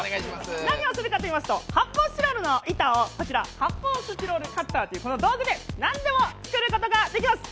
何をするかといいますと発泡スチロールの板をこちら発泡スチロールカッターという道具でなんでも作ることができます！